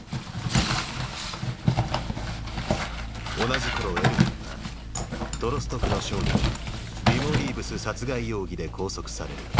同じ頃エルヴィンはトロスト区の商人ディモ・リーブス殺害容疑で拘束される。